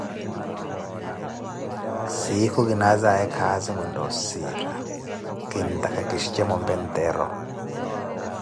siikho kinaazaye khaazi, mwintta osiila, kintakha ki shije mompe ntero.